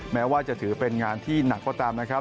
แม้ว่าจะถือเป็นงานที่หนักก็ตามนะครับ